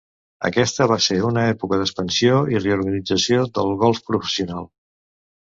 Aquesta va ser una època d'expansió i reorganització del golf professional.